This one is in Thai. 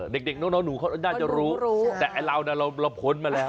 เด็กน้องหนูเขาน่าจะรู้รู้แต่ไอ้เราน่ะเราพ้นมาแล้ว